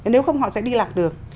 nếu không họ sẽ đi lạc được